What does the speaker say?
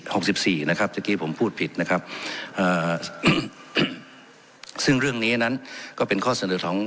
นะครับเมื่อกี้ผมพูดผิดนะครับอ่าซึ่งเรื่องนี้นั้นก็เป็นข้อเสนอของ